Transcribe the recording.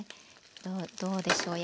どうでしょう？